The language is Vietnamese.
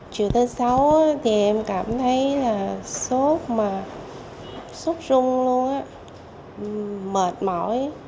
chiều thứ sáu thì em cảm thấy là sốt mà sốt rung luôn mệt mỏi